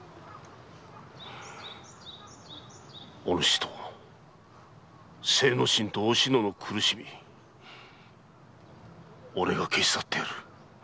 お主と精之進・お篠の苦しみ俺が消し去ってやる！